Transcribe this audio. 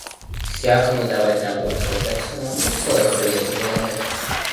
Всякому давать на водку, так самому скоро придется голодать».